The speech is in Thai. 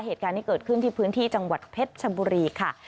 เหตุการณ์ที่เกิดขึ้นที่พื้นที่จังหวัดเพชรชบุรีค่ะ